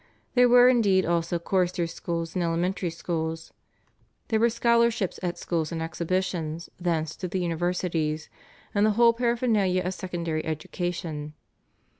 There were indeed also choristers' schools and elementary schools. There were scholarships at schools and exhibitions thence to the universities, and the whole paraphernalia of secondary education.